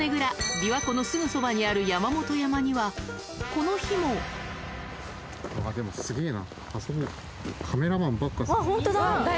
琵琶湖のすぐそばにある山本山にはこの日もうわでもすげぇな。